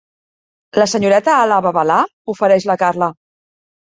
¿La senyoreta Alà babalà?, ofereix la Carla.